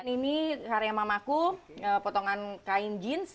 ini karya mamaku potongan kain jeans